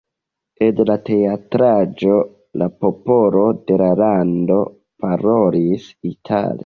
En la teatraĵo la popolo de la lando parolis itale.